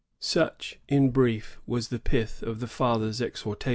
'' Such, in brief, was the pith of the father's exhorta 1666.